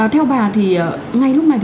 theo bà thì ngay lúc này